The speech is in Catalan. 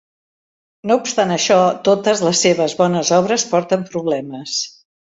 No obstant això, totes les seves bones obres porten problemes.